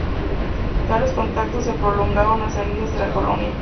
Tales contactos se prolongaron hasta inicios de la colonia.